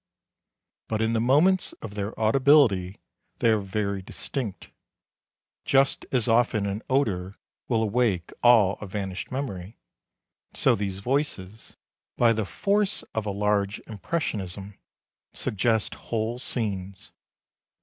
"But in the moments of their audibility they are very distinct. Just as often an odour will awake all a vanished memory, so these voices, by the force of a large impressionism, suggest whole scenes.